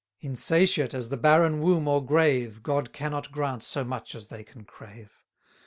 Insatiate as the barren womb or grave, God cannot grant so much as they can crave.